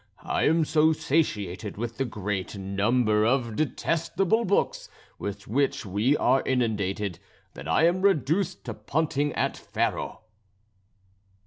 I am so satiated with the great number of detestable books with which we are inundated that I am reduced to punting at faro."